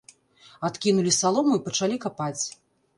Адкінулі салому і пачалі капаць.